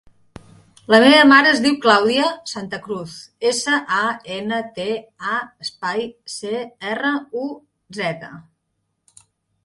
La meva mare es diu Clàudia Santa Cruz: essa, a, ena, te, a, espai, ce, erra, u, zeta.